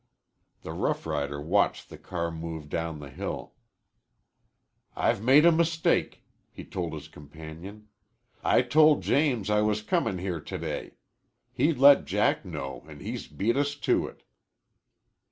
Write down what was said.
The rough rider watched the car move down the hill. "I've made a mistake," he told his companion. "I told James I was comin' here to day. He let Jack know, an' he's beat us to it."